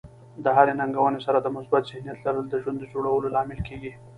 د هرې ننګونې سره د مثبت ذهنیت لرل د ژوند د جوړولو لامل کیږي.